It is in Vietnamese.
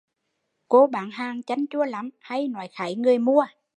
Cô bán hàng chanh chua lắm, hay nói kháy người mua